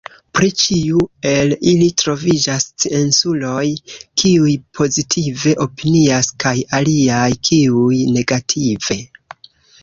Pri ĉiu el ili troviĝas scienculoj kiuj pozitive opinias kaj aliaj kiuj negative.